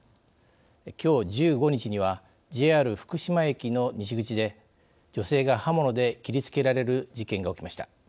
きょう、１５日にはＪＲ福島駅の西口で女性が刃物で切りつけられる事件が起きました。